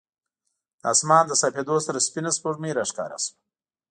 د اسمان له صافېدو سره سپینه سپوږمۍ راښکاره شوه.